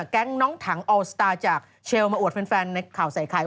แก๊งน้องถังอัลสตาร์จากเชลมาอวดแฟนในข่าวใส่ไข่